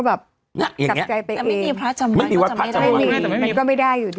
แบบจับใจไปไม่มีพระจำวัดก็จะไม่ได้มีมันก็ไม่ได้อยู่ดี